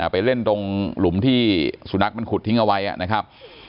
ไปเล่นตรงหลุมที่สุนัขมันขุดทิ้งเอาไว้นะครับ